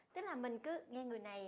tức là mình cứ nghe người này